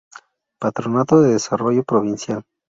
Patronato de Desarrollo Provincial.